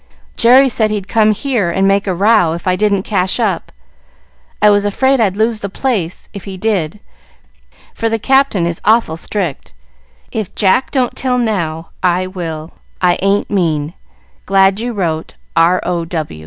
Jerry said he'd come here and make a row if I didn't cash up. I was afraid I'd lose the place if he did, for the Capt. is awful strict. If Jack don't tell now, I will. I ain't mean. Glad you wrote. "R.O.